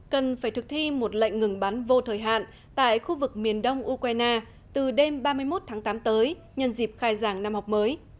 cần phải thực thi một lệnh ngừng bắn vô thời hạn tại khu vực miền đông ukraine từ đêm ba mươi một tháng tám tới nhân dịp khai giảng năm học mới